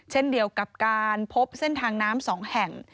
เช่นเดียวกับการพบเส้นทางน้ำ๒แห่ง